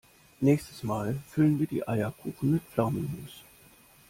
Nächstes Mal füllen wir die Eierkuchen mit Pflaumenmus.